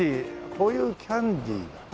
こういうキャンディーだ。